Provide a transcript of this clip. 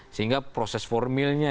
sehingga proses formilnya